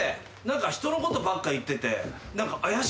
何か人のことばっか言ってて。